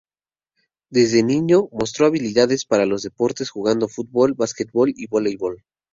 Desde niño, mostró habilidades para los deportes, jugando fútbol, basquetbol y voleibol.